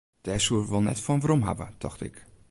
Dêr soe er wol net fan werom hawwe, tocht ik.